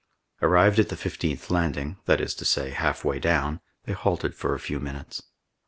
Arrived at the fifteenth landing, that is to say, half way down, they halted for a few minutes.